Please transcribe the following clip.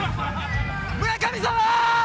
村神様ー！